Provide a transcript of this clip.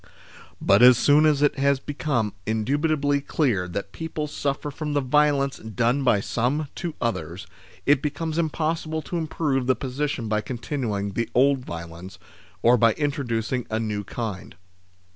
But as soon as it has become indubitably clear that people suffer from the violence done by some to others, it becomes impossible to im prove the position by continuing the old violence, or by introducing a new kind.